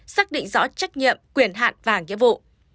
xác định rõ trách nhiệm quyền hạn và nghĩa vụ